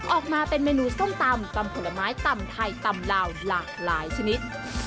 ออกมาเป็นเมนูส้มตำตำผลไม้ตำไทยตำลาวหลากหลายชนิด